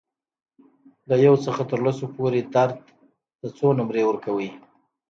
له یو څخه تر لسو پورې درد ته څو نمرې ورکوئ؟